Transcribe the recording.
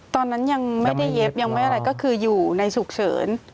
ตอนนั้นยังไม่ได้เย็บยังไม่อะไรก็คืออยู่ในฉุกเฉิน